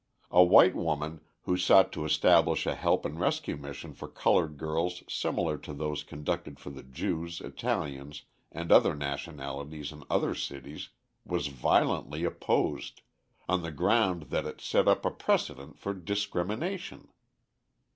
A white woman, who sought to establish a help and rescue mission for coloured girls similar to those conducted for the Jews, Italians, and other nationalities in other cities, was violently opposed, on the ground that it set up a precedent for discrimination.